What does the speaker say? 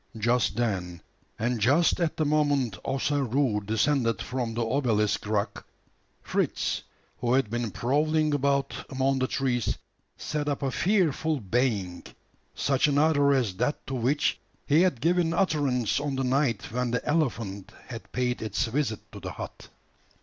Just then, and just at the moment Ossaroo descended from the obelisk rock, Fritz, who had been prowling about among the trees, set up a fearful baying such another as that to which he had given utterance on the night when the elephant had paid its visit to the hut.